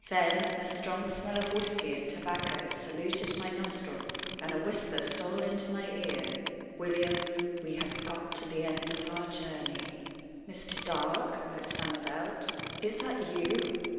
Then a strong smell of whisky and tobacco saluted my nostrils, and a whisper stole into my ear "William, we have got to the end of our journey." "Mr. Dark," I stammered out, "is that you?